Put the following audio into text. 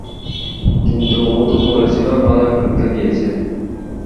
কিন্তু ও তো বলেছিল ভালোই পরীক্ষা দিয়েছে।